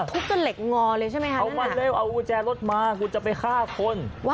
ทุบกันเหล็กงอเลยใช่ไหมฮะเอามาเลยเอาแจรถมากูจะไปฆ่าคน